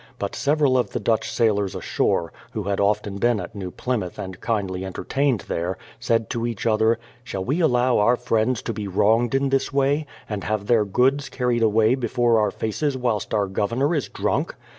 But several of the Dutch sailors ashore, who had often been at New Plymouth and kindly entertained there, said to each other: "Shall we allow our friends to be wronged in this way, and have their goods carried away before our faces whilst our Governor is drunk?"